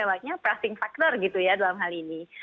kita pasti ada pressing factor dalam hal ini